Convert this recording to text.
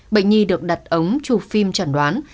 bệnh nhi được đặt ống chụp phim trần đoán